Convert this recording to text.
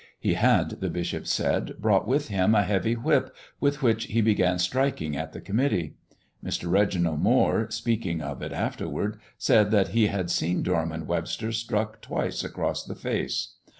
He had, the bishop said, brought with Him a heavy whip, with which He began striking at the committee. Mr. Reginald Moire, speaking of it afterwards, said that he had seen Dorman Webster struck twice across the face.